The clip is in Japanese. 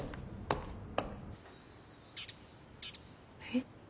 えっ。